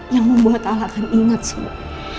yang membuat allah ingat semua